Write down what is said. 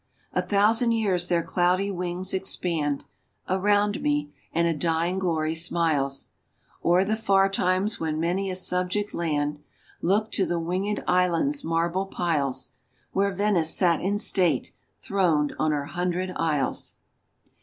A thousand years their cloudy wings expand . Around me, and a dying glory smiles O'er the far times when many a subject land Looked to the winged islands' marble piles, Where Venice sat in state, throned on her hundred isles."